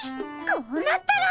こうなったら。